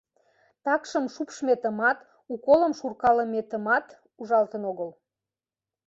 Такшым шупшметымат, уколым шуркалыметымат ужалтын огыл.